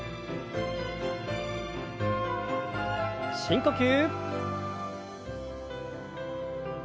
深呼吸。